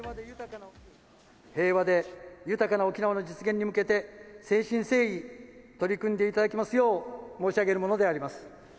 平和で豊かな沖縄の実現に向けて、誠心誠意取り組んでいただきますよう、申し上げるものであります。